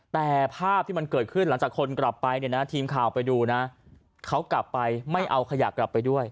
แต่ภาพที่มันเกิดขึ้นหลังจากคนกลับไปเนี่ยนะทีมข่าวไปดูนะเขากลับไปไม่เอาขยะกลับไปด้วย